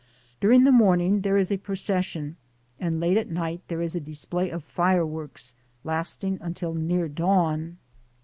Dur ing the morning there is a procession, and late at night there is a display of fireworks, lasing until near dawn.